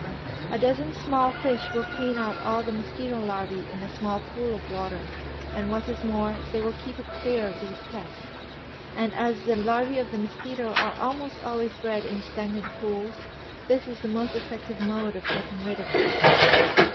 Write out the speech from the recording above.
A dozen small fish will clean out all the mosquito larvae in a small pool of water, and what is more, they will keep it clear of these pests. And as the larvae of the mosquito are almost always bred in stagnant pools, this is the most effective mode of getting rid of them.